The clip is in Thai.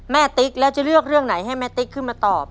ติ๊กแล้วจะเลือกเรื่องไหนให้แม่ติ๊กขึ้นมาตอบ